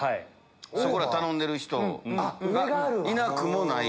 そこら頼んでる人がいなくもない。